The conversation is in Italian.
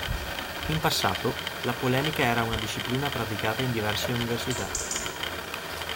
In passato, la polemica era una disciplina praticata in diverse università.